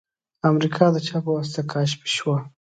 امریکا د چا په واسطه کشف شوه؟